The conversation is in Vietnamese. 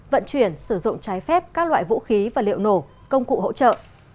vận chuyển sử dụng trái phép các loại vũ khí và liệu nổ công cụ hỗ trợ